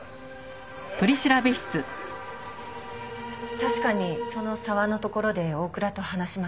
確かにその沢の所で大倉と話しました。